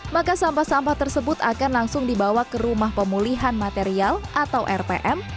maka sampah sampah tersebut akan langsung dibawa ke rumah pemulihan material atau rpm